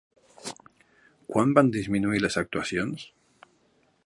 Quan van disminuir les actuacions?